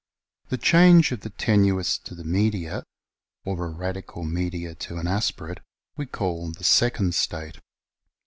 The change of the tenuis to the media, or a radical media to an aspirate, we call the SECOND STATE.